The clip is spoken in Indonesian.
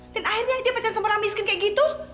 dan akhirnya dia pacaran sama orang miskin kayak gitu